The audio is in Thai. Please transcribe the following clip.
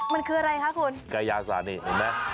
มันคืออะไรค่ะคุณ